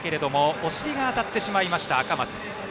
お尻が当たってしまいました赤松。